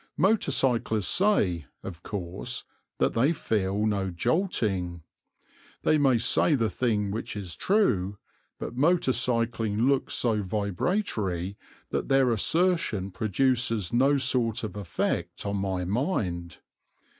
Motor cyclists say, of course, that they feel no jolting. They may say the thing which is true, but motor cycling looks so vibratory that their assertion produces no sort of effect on my mind.